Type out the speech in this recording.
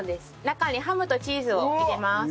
中にハムとチーズを入れます。